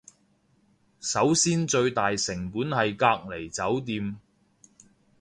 首先最大成本係隔離酒店